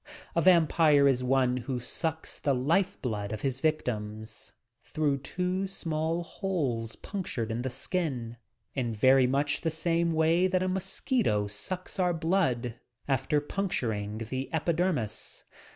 A vampire is one who sucks the life blood of his victim, through two small holes punctured in the skin, in very much the same way that a mosquito sucks our blood after puncturing the epidermis.